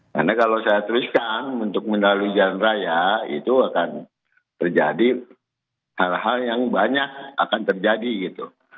karena kalau saya teruskan untuk melalui jalan raya itu akan terjadi hal hal yang banyak akan terjadi gitu